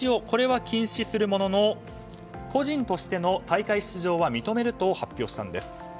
これは禁止するものの個人としての大会出場は認めると発表したんです。